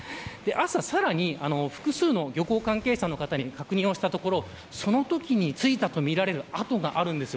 朝、さらに、複数の漁港関係者の方に確認したところそのときに付いたとみられる跡があるんです。